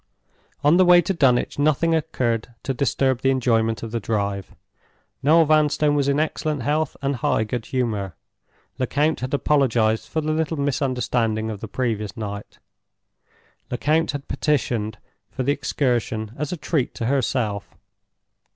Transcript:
On the way to Dunwich nothing occurred to disturb the enjoyment of the drive. Noel Vanstone was in excellent health and high good humor. Lecount had apologized for the little misunderstanding of the previous night; Lecount had petitioned for the excursion as a treat to herself.